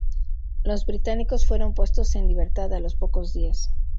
Los británicos fueron puestos en libertad a los pocos días.